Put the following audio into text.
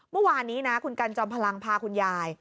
เมื่อวานนี้นะคุณกันจอมพลังพาคุณยาย